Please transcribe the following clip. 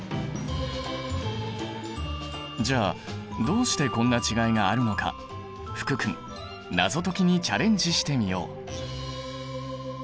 じゃあどうしてこんな違いがあるのか福君謎解きにチャレンジしてみよう。